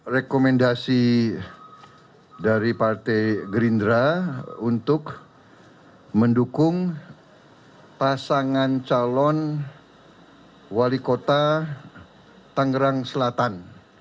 rekomendasi dari partai gerindra untuk mendukung pasangan calon wali kota tangerang selatan